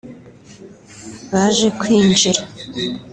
baje kwinjira